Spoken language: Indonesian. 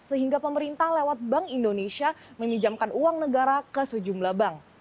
sehingga pemerintah lewat bank indonesia meminjamkan uang negara ke sejumlah bank